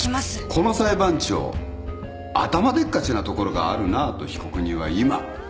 「この裁判長頭でっかちなところがあるな」と被告人は今思いましたね？